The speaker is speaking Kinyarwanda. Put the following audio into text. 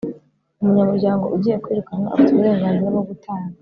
umunyamuryango ugiye kwirukanwa afite uburenganzira bwo gutanga